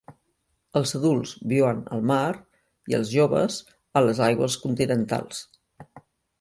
Els adults viuen al mar i els joves a les aigües continentals.